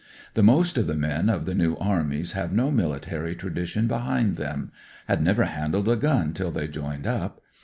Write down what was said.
The most of the men of the New Armies have no military tradition behind them; had never handled a gun till they * joined up.'